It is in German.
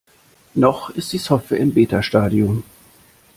Noch ist die Software im Beta-Stadium.